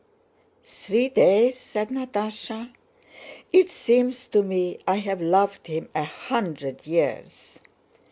"Three days?" said Natásha. "It seems to me I've loved him a hundred years.